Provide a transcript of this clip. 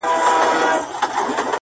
راته راگوره مه د سره اور انتهاء به سم!!